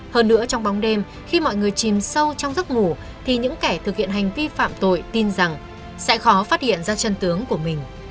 hơn nữa trong bóng đêm khi mọi người chìm sâu trong giấc ngủ thì những kẻ thực hiện hành vi phạm tội tin rằng sẽ khó phát hiện ra chân tướng của mình